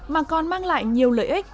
mà còn mang lại nhiều lợi ích